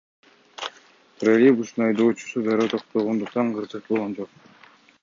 Троллейбустун айдоочусу дароо токтогондуктан кырсык болгон жок.